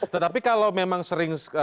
tetapi kalau memang sering